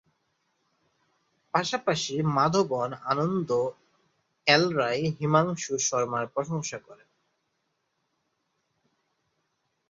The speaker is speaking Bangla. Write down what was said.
পাশাপাশি, মাধবন, আনন্দ এল রাই, হিমাংশু শর্মার প্রশংসা করেন।